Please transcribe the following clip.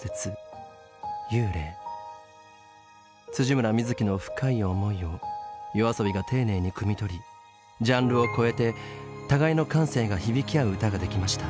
村深月の深い思いをＹＯＡＳＯＢＩが丁寧にくみ取りジャンルを超えて互いの感性が響き合う歌ができました。